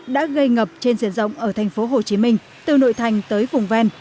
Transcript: đã gây ngập trên diện rộng ở thành phố hồ chí minh từ nội thành tới vùng ven